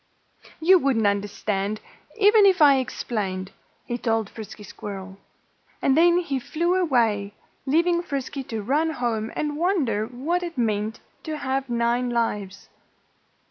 "You wouldn't understand, even if I explained," he told Frisky Squirrel. And then he flew away, leaving Frisky to run home and wonder what it meant to have nine lives.